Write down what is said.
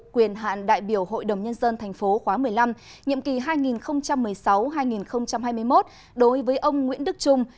quyền hạn đại biểu hội đồng nhân dân tp khóa một mươi năm nhiệm kỳ hai nghìn một mươi sáu hai nghìn hai mươi một đối với ông nguyễn đức trung